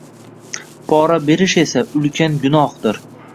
Pora berish esa ulkan gunohdir.